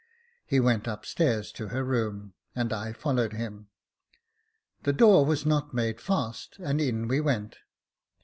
He went upstairs to her room, and I followed him. The door was not made fast, and in we went.